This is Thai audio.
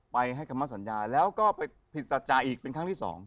ให้คำมั่นสัญญาแล้วก็ไปผิดสัจจาอีกเป็นครั้งที่๒